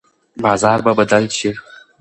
بازار به بدل شي.